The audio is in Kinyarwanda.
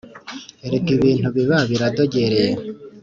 erega ibintu biba biradogereye